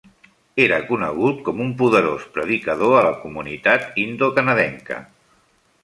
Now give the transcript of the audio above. Era conegut com un poderós predicador a la comunitat indocanadenca.